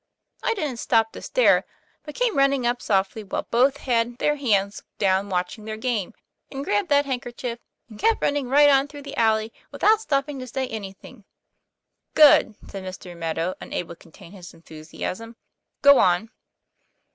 I didn't stop to stare, but came running up softly while both had their heads down watching their game, and grabbed that hand kerchief, and kept running right on through the alley without stopping to say anything." ' Good! ' said Mr. Meadow, unable to contain his enthusiasm. 'Goon."